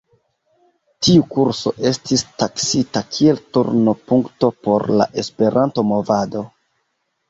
Tiu kurso estis taksita kiel turno-punkto por la Esperanto-movado.